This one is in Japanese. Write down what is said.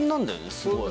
すごい。